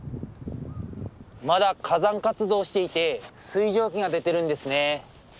まだ火山活動していて水蒸気が出てるんですね。